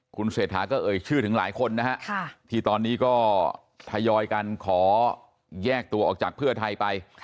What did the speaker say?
คุณเศรษฐาก็เอ่ยชื่อถึงหลายคนนะฮะที่ตอนนี้ก็ทยอยกันขอแยกตัวออกจากเพื่อไทยไป